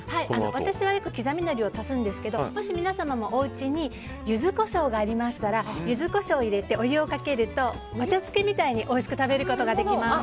私はよく刻みのりを足すんですがもし、皆様もおうちにユズコショウがありましたらユズコショウ入れてお湯をかけるとお茶漬けみたいにおいしく食べることができます。